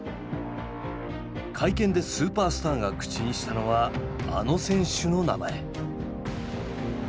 会見でスーパースターが口にしたのはあの選手の名前。